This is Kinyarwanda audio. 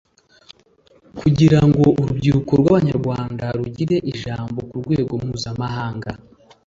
kugira ngo urubyiruko rw’Abanyarwanda rugire ijambo ku rwego mpuzamahanga